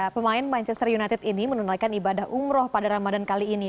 pemain manchester united ini menunaikan ibadah umroh pada ramadan kali ini